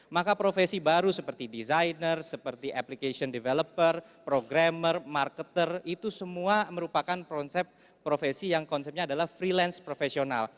maka profesi baru seperti designer seperti application developer programmer marketer itu semua merupakan konsep profesi yang konsepnya adalah freelance profesional